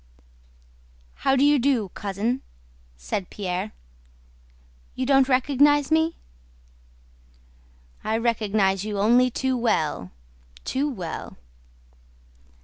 "How do you do, cousin?" said Pierre. "You don't recognize me?" "I recognize you only too well, too well."